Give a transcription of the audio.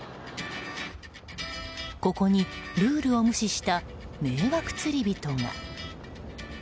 ここにルールを無視した迷惑釣り人が。